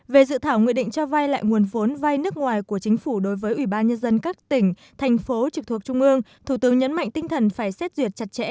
về dự thảo nghị định cho vay lại nguồn vốn vai nước ngoài của chính phủ đối với ủy ban nhân dân các tỉnh thành phố trực thuộc trung ương thủ tướng nhấn mạnh tinh thần phải xét duyệt chặt chẽ